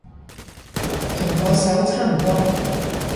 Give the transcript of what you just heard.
同嗰首差唔多